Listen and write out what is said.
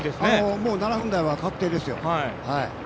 もう７分台は確定ですよ。